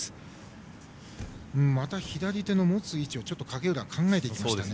また左手の持つ位置を影浦は考えていきましたね。